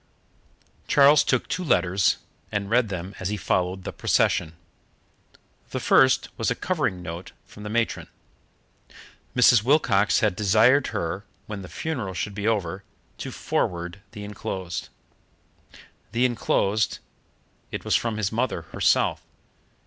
Charles took two letters, and read them as he followed the procession. The first was a covering note from the matron. Mrs. Wilcox had desired her, when the funeral should be over, to forward the enclosed. The enclosed it was from his mother herself.